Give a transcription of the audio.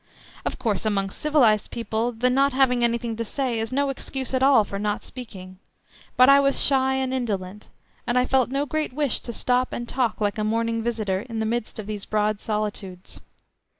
Of course, among civilised people the not having anything to say is no excuse at all for not speaking, but I was shy and indolent, and I felt no great wish to stop and talk like a morning visitor in the midst of those broad solitudes.